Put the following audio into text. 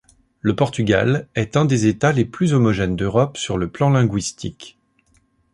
Le Portugal est un des États les plus homogènes d'Europe sur le plan linguistique.